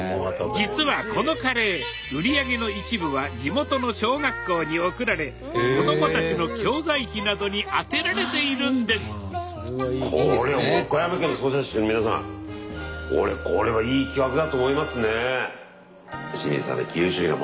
実はこのカレー売り上げの一部は地元の小学校に送られ子どもたちの教材費などに充てられているんです清水さんね